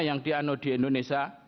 yang dianudihi indonesia